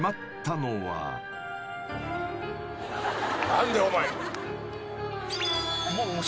「何でお前」